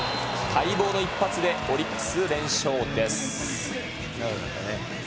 待望の一発でオリックス連勝です。